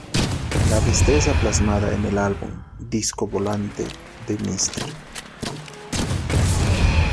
La destreza plasmada en el álbum "Disco Volante" de Mr.